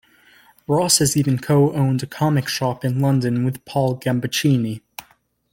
Ross has even co-owned a comic shop in London with Paul Gambaccini.